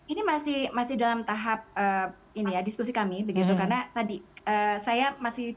ini masih dalam tahap diskusi kami karena tadi saya masih cenderung bahwa kami yang berpikir